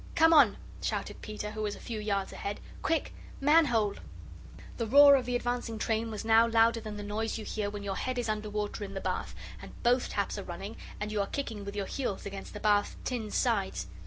"Come on," shouted Peter, who was a few yards ahead. "Quick! Manhole!" The roar of the advancing train was now louder than the noise you hear when your head is under water in the bath and both taps are running, and you are kicking with your heels against the bath's tin sides.